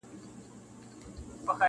• کار چي څوک بې استاد وي بې بنیاد وي -